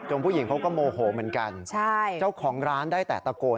ผู้หญิงเขาก็โมโหเหมือนกันใช่เจ้าของร้านได้แต่ตะโกน